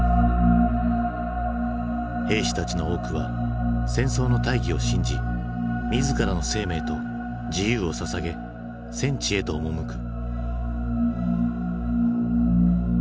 兵士たちの多くは戦争の大義を信じ自らの生命と自由をささげ戦地へと赴く。